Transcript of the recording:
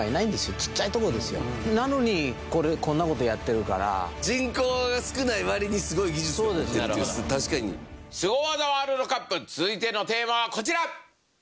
ちっちゃいとこですよなのにこんなことやってるから人口が少ない割にすごい技術を持ってる確かに「スゴ技ワールドカップ」続いてのテーマはこちら！